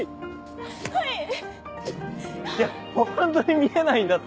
いやホントに見えないんだって。